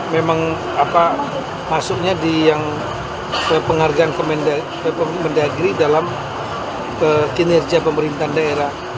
memang masuknya di yang penghargaan kemendagri dalam kinerja pemerintahan daerah